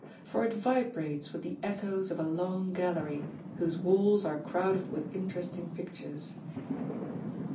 For it vibrates with the echoes of a long gallery, whose walls are crowded with interesting pictures.